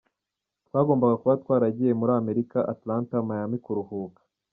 Twagombaga kuba twaragiye muri Amerika, Atlanta, Miami kuruhuka…".